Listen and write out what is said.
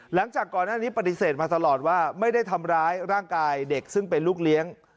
หลังจากก่อนหน้านี้ปฏิเสธมาตลอดว่าไม่ได้ทำร้ายร่างกายเด็กซึ่งเป็นลูกเลี้ยง